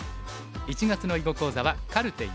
１月の囲碁講座は「カルテ④」。